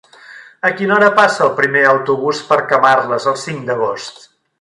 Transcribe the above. A quina hora passa el primer autobús per Camarles el cinc d'agost?